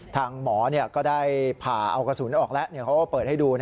ทางหมอก็ได้ผ่าเอากระสุนออกแล้วเขาก็เปิดให้ดู